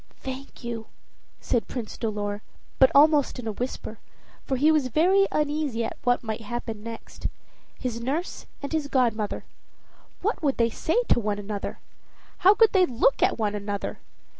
"Thank you," said Prince Dolor, but almost in a whisper, for he was very uneasy at what might happen next. His nurse and his godmother what would they say to one another? how would they look at one another?